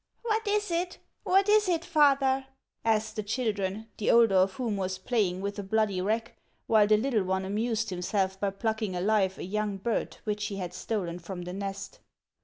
1 " What is it, what is it, father ?" asked the children, the older of whom was playing with a bloody rack, while the little one amused himself by plucking alive a young bird which he had stolen from the nest.